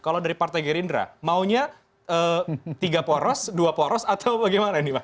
kalau dari partai gerindra maunya tiga poros dua poros atau bagaimana nih mas